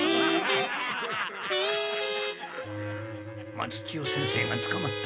松千代先生がつかまった。